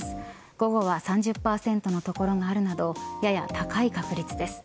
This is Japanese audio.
午後は３０％の所があるなどやや高い確率です。